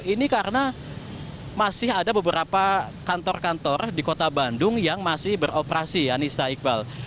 ini karena masih ada beberapa kantor kantor di kota bandung yang masih beroperasi anissa iqbal